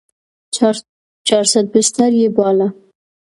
چارصد بستر يې باله.